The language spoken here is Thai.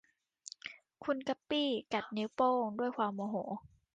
คุณกัปปี้กัดนิ้วโป้งด้วยความโมโห